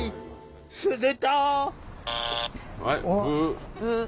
すると！